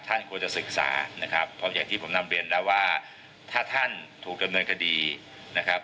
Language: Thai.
ท่านควรจะศึกษานะครับเพราะอย่างที่ผมนำเรียนแล้วว่าถ้าท่านถูกดำเนินคดีนะครับ